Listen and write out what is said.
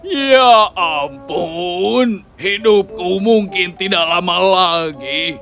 ya ampun hidupku mungkin tidak lama lagi